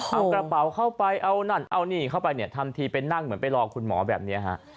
เอากระเป๋าเข้าไปเอานั่นเอานี่เข้าไปเนี่ยทำทีไปนั่งเหมือนไปรอคุณหมอแบบนี้ฮะ